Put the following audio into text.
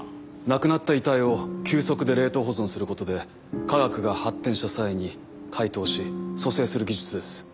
亡くなった遺体を急速で冷凍保存することで科学が発展した際に解凍し蘇生する技術です。